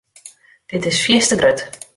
Dit is fierste grut.